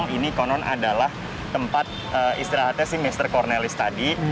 sekarang adalah tempat istirahatnya si mr cornelis tadi